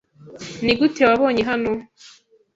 Nigute wabonye hano?